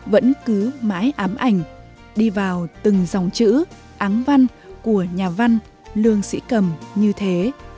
vẫn cứ mãi ám ảnh đi vào từng dòng chữ áng văn của nhà văn lương sĩ cầm như thế